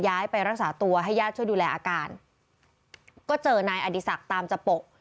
ย้ายไปรักษาตัวให้ญาติช่วยดูแลอาการก็เจอนายอดีศักดิ์ตามจะปก